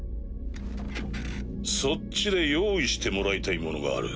そっちで用意してもらいたいものがある。